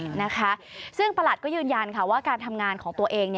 นะคะซึ่งประหลัดก็ยืนยันค่ะว่าการทำงานของตัวเอง